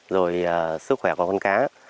rồi sức khỏe của con cá